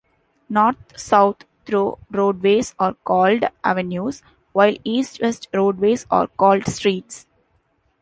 North-south through roadways are called "avenues", while east-west roadways are called "streets".